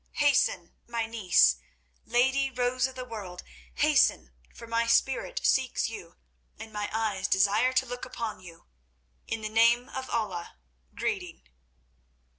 "Hasten, my niece, lady Rose of the World, hasten, for my spirit seeks you, and my eyes desire to look upon you. In the name of Allah, greeting."